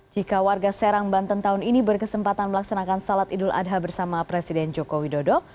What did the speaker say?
jika warga serang banten tahun ini berkesempatan melaksanakan salat idul adha bersama presiden joko widodo